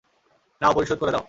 নাও, পরিশোধ করে দাও।